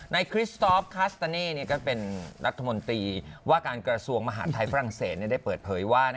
คริสตอฟคัสตาเน่ก็เป็นรัฐมนตรีว่าการกระทรวงมหาดไทยฝรั่งเศสได้เปิดเผยว่า